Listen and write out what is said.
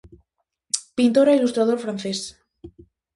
Pintor e ilustrador francés.